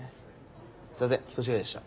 すいません人違いでした。